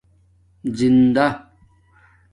زندہ